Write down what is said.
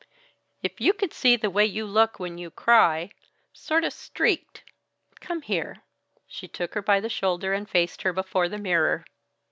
"If you could see the way you look when you cry! Sort of streaked. Come here!" She took her by the shoulder and faced her before the mirror.